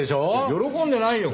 喜んでないよ！